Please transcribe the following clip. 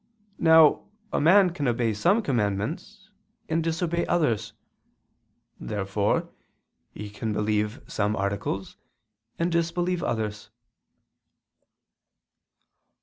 Now a man can obey some commandments, and disobey others. Therefore he can believe some articles, and disbelieve others.